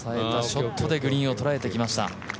ショットでグリーンを捉えてきました。